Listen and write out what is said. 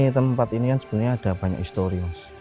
tempat ini sebenarnya ada banyak histori